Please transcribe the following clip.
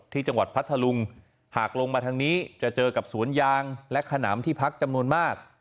พัทธลุงหากลงมาทางนี้จะเจอกับสวนยางและขนำที่พักจำนวนมาก